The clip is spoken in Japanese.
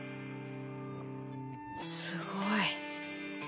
すごい。